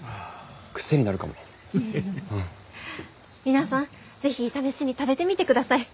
皆さん是非試しに食べてみてください。